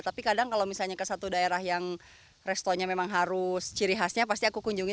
tapi kadang kalau misalnya ke satu daerah yang restonya memang harus ciri khasnya pasti aku kunjungi